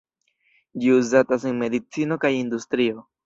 Ĝi uzatas en medicino kaj industrio.